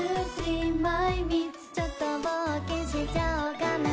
ちょっと冒険しちゃおかな